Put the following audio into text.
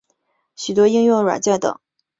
许多应用软件等。